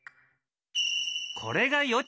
これが予知だ！